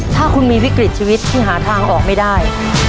ถ้าคุณมีวิกฤตชีวิตที่หาทางออกไม่ได้